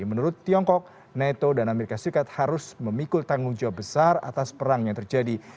menurut tiongkok nato dan amerika serikat harus memikul tanggung jawab besar atas perang yang terjadi